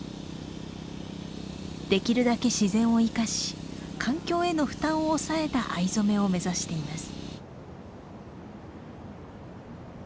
できるだけ自然を生かし環境への負担を抑えた藍染めを目指しています。